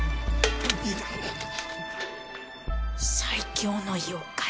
最強の妖怪。